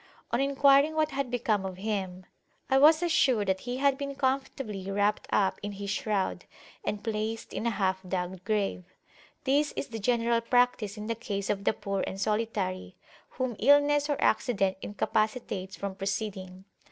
On enquiring what had become of him, I was assured that he had been comfortably wrapped up in his shroud, and placed in a half dug grave. This is the general practice in the case of the poor and solitary, whom illness or accident incapacitates from proceeding.